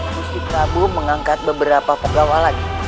gusti prabu mengangkat beberapa pegawai lagi